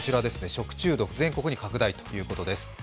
食中毒、全国に拡大ということです。